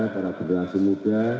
para pendana semuda